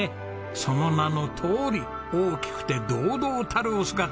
その名のとおり大きくて堂々たるお姿！